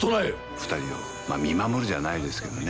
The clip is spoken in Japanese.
二人を見守るじゃないですけどね